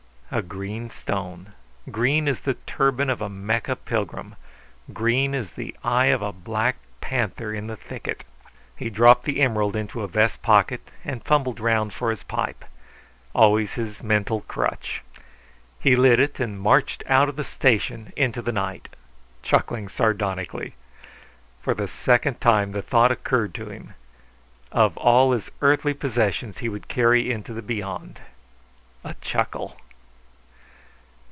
A green stone, green as the turban of a Mecca pilgrim, green as the eye of a black panther in the thicket. He dropped the emerald into a vest pocket and fumbled round for his pipe always his mental crutch. He lit it and marched out of the station into the night chuckling sardonically. For the second time the thought occurred to him: Of all his earthly possessions he would carry into the Beyond a chuckle.